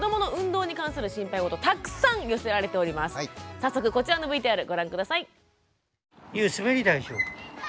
早速こちらのＶＴＲご覧下さい。